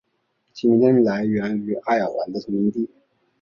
其名称来源于爱尔兰的同名地。